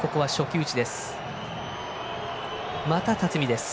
また辰己です。